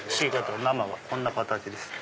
生はこんな形ですね。